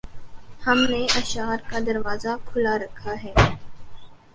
ہم نے اشعار کا دروازہ کھُلا رکھا ہے